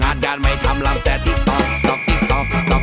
งานการไม่ทำภรรดิต๊อกต๊อกต๊อกต๊อก